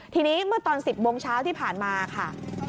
ทีนี้เมื่อตอน๑๐โมงเช้าที่ผ่านมาค่ะ